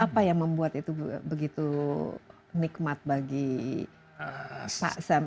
apa yang membuat itu begitu nikmat bagi pak sam